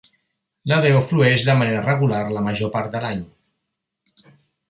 La deu flueix de manera regular la major part de l'any.